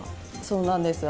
そうなんです